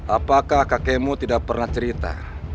apakah kakekmu tidak pernah cerita